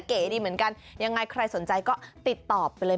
เก๋ดีเหมือนกันยังไงใครสนใจก็ติดต่อไปเลย